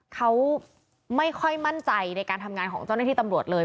เขาไม่ค่อยมั่นใจในการทำงานของเจ้าหน้าที่ตำรวจเลย